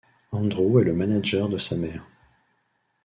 Andrew est le manager de sa mère.